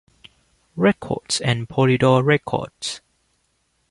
Records and Polydor Records.